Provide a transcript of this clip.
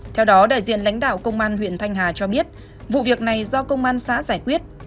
theo đó đại diện lãnh đạo công an huyện thanh hà cho biết vụ việc này do công an xã giải quyết